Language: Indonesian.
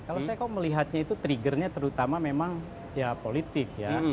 kalau saya kok melihatnya itu triggernya terutama memang ya politik ya